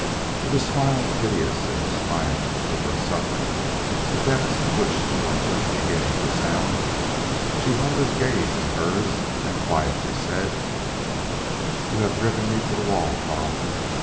With a smile piteous in its triumph over a suffering the depths of which they were just beginning to sound, she held his gaze in hers and quietly said: "You have driven me to the wall, Carleton.